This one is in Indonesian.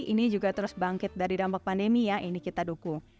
ini juga terus bangkit dari dampak pandemi ya ini kita dukung